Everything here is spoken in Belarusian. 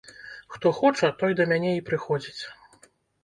Хто хоча, той да мяне і прыходзіць.